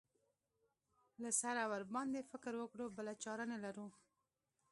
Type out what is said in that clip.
له سره ورباندې فکر وکړو بله چاره نه لرو.